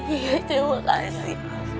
iya terima kasih